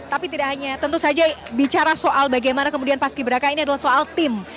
tapi tidak hanya tentu saja bicara soal bagaimana kemudian paski beraka ini adalah soal tim